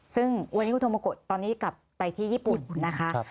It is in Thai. ซึ่งวันนี้คุณโทโมโกะตอนนี้กลับไปที่ญี่ปุ่นนะคะ